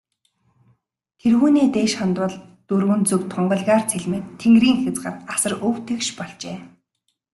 Тэргүүнээ дээш хандвал, дөрвөн зүг тунгалгаар цэлмээд, тэнгэрийн хязгаар асар өв тэгш болжээ.